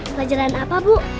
pelajaran apa bu